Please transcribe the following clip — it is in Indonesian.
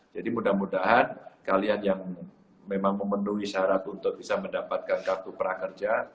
jadi mudah mudahan kalian yang memang memenuhi syarat untuk bisa mendapatkan kartu prakerja